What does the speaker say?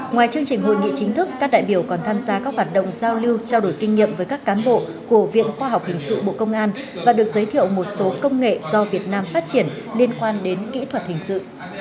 ngoài chương trình hội nghị chính thức các đại biểu còn tham gia các hoạt động giao lưu trao đổi kinh nghiệm với các cán bộ của viện khoa học hình sự bộ công an và được giới thiệu một số công nghệ do việt nam phát triển liên quan đến kỹ thuật hình sự